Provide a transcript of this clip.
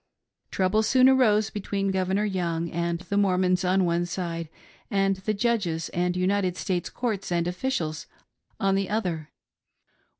Trouble soon arose between Governor Young and the Mormons on one side and the Judges and United States courts and officials on the other.